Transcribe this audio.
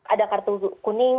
ada kartu kuning